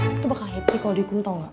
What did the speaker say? itu bakal happy kalo dihukum tau gak